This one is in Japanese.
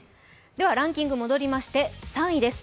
ではランキングに戻りまして３位です。